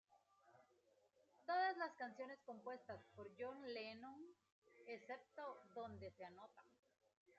Todas las canciones compuestas por John Lennon excepto donde se anota.